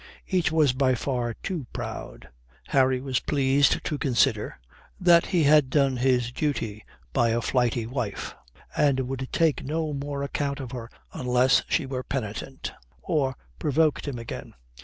Each was by far too proud. Harry was pleased to consider that he had done his duty by a flighty wife, and would take no more account of her unless she were penitent or provoked him again.